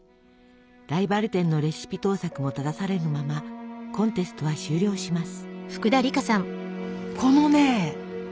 ライバル店のレシピ盗作もただされぬままコンテストは終了します。